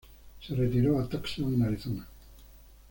Se retiró a Tucson, en Arizona.